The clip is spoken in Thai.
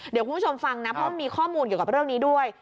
เดี๋ยวคุณผู้ชมฟังนะเพราะมันมีข้อมูลเกี่ยวกับเรื่องนี้ด้วย